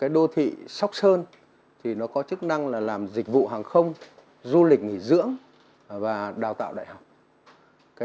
đô thị sóc sơn thì nó có chức năng là làm dịch vụ hàng không du lịch nghỉ dưỡng và đào tạo đại học